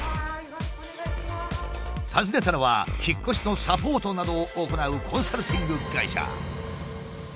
訪ねたのは引っ越しのサポートなどを行うコンサルティング会社。